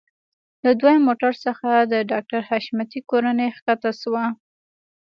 له دويم موټر څخه د ډاکټر حشمتي کورنۍ ښکته شوه.